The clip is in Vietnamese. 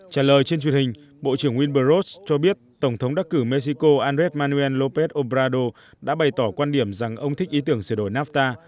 trả lời trên truyền hình bộ trưởng winbur ross cho biết tổng thống đắc cử mexico andres manuel lópez obrador đã bày tỏ quan điểm rằng ông thích ý tưởng sửa đổi nafta